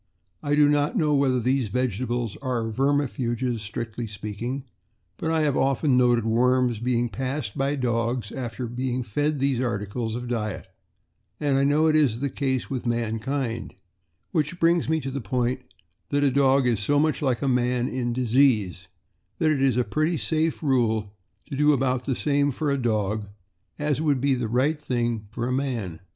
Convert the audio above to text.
I do not know whether these vegetables are vermifuges, strictly speaking, but I have often noted worms being passed by dogs after being fed these articles of diet; and I know it is the case with mankind, which brings me to the point that a dog is so much like a man in disease, that it is a pretty safe rule to do about the same for a dog as would be the right thing for a man.